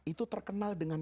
itu terkenal dengan